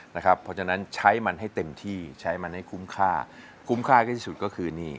เพราะฉะนั้นใช้มันให้เต็มที่ใช้มันให้คุ้มค่าคุ้มค่าที่สุดก็คือนี่